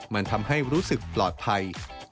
มันทำให้รู้สึกปลอดภัย